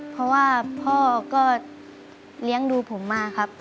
เพราะว่าพ่อก็เลี้ยงดูผมมาครับ